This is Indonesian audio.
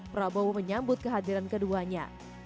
prabowo menyambut kehadiran keduanya